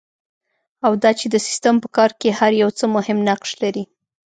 او دا چې د سیسټم په کار کې هر یو څه مهم نقش لري.